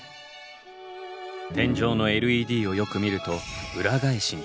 天井のＬＥＤをよく見ると裏返しに。